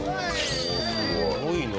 すごいな。